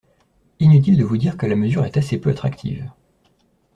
Inutile de vous dire que la mesure est assez peu attractive.